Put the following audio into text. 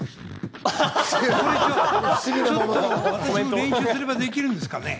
私も練習すればできるんですかね？